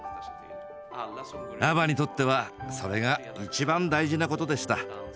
ＡＢＢＡにとってはそれが一番大事なことでした。